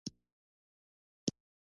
د موټر چټکتيا ډيره شوه.